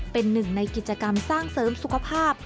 เป็นหนึ่งในกิจกรรมสร้างเสริมสุขภาพ